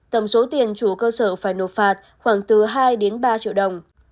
tổng số tiền chủ cơ sở phải nộp phạt khoảng từ hai đến ba triệu đồng